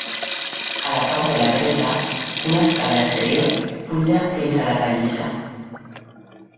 A la part de la dreta, una escala exterior puja fins a la pallissa.